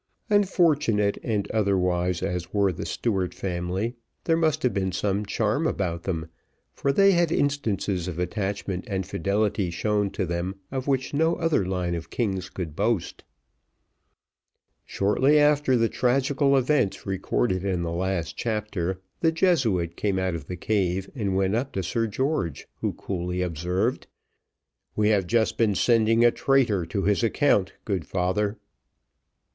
Unfortunate and unwise as were the Stuart family, there must have been some charm about them, for they had instances of attachment and fidelity shown to them, of which no other line of kings could boast. Shortly after the tragical event recorded in the last chapter, the Jesuit came out of the cave and went up to Sir George, who coolly observed, "We have just been sending a traitor to his account, good father."